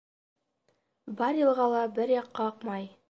Бар йылға ла бер яҡҡа аҡмай.